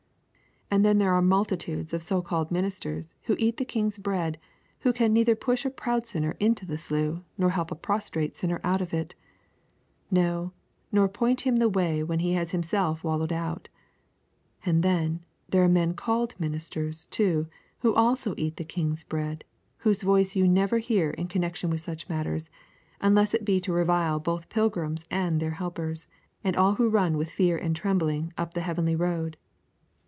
And then there are multitudes of so called ministers who eat the King's bread who can neither push a proud sinner into the slough nor help a prostrate sinner out of it; no, nor point him the way when he has himself wallowed out. And then, there are men called ministers, too, who also eat the King's bread, whose voice you never hear in connection with such matters, unless it be to revile both the pilgrims and their helpers, and all who run with fear and trembling up the heavenly road.